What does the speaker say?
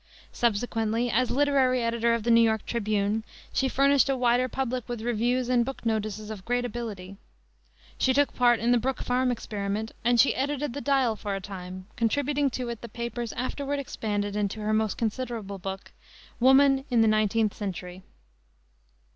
Subsequently, as literary editor of the New York Tribune, she furnished a wider public with reviews and book notices of great ability. She took part in the Brook Farm experiment, and she edited the Dial for a time, contributing to it the papers afterward expanded into her most considerable book, Woman in the Nineteenth Century.